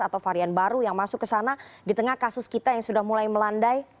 atau varian baru yang masuk ke sana di tengah kasus kita yang sudah mulai melandai